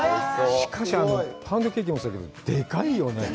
しかし、あのパウンドケーキもそうだけど、でかいよね？